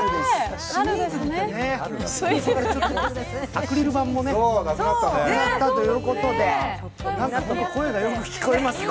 アクリル板もなくなったということで、なんか声がよく聞こえますね。